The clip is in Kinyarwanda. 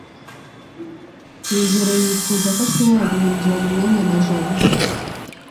rugeyoyifuza k o ashobora guhinduranya umwanya na jabo